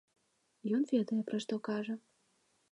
Ён ведае, пра што кажа.